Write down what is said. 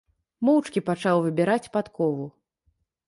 Моўчкі пачаў выбіраць падкову.